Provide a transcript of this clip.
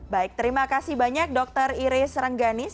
baik terima kasih banyak dokter iris rengganis